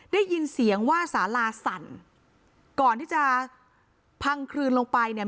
ได้ยินเสียงว่าสาลาสั่นก่อนที่จะพังคลืนลงไปเนี่ย